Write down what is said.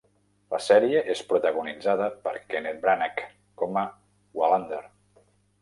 La sèrie és protagonitzada per Kenneth Branagh com a Wallander.